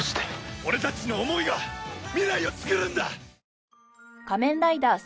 俺たちの思いが未来を創るんだ！